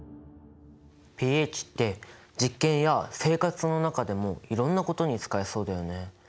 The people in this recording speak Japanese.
ｐＨって実験や生活の中でもいろんなことに使えそうだよね。